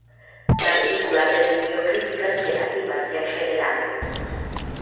La película recibió críticas negativas en general.